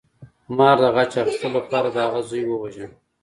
مار د غچ اخیستلو لپاره د هغه زوی وواژه.